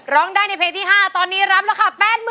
ร้องได้ในเพลงที่๕ตอนนี้รับราคา๘๐๐๐